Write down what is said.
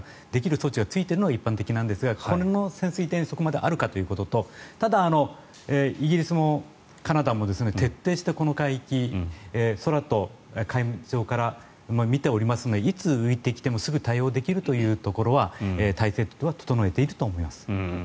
装置がついているのが一般的なんですがこの潜水艇にそこまであるかということとただ、イギリスもカナダも徹底してこの海域空と海上から見ておりますのでいつ浮いてきてもすぐ対応できるというところは態勢は整えていると思います。